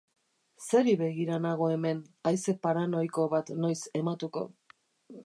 Zeri begira nago hemen, haize paranoiko bat noiz ematuko?